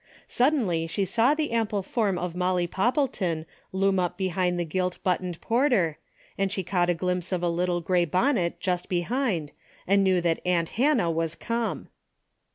Suddenly she saw the ample form of Molly Poppleton loom up behind the gilt buttoned porter and she caught a glimpse of a little grey bonnet just behind and knew that aunt Hannah was come.